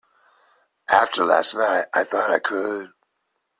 After last night, I thought I could.